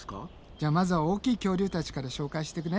じゃあまずは大きい恐竜たちから紹介してくね。